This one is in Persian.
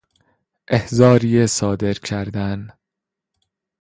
احضاریه صادر کردن